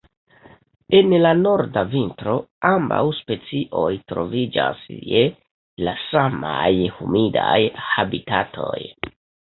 En la norda vintro, ambaŭ specioj troviĝas je la samaj humidaj habitatoj.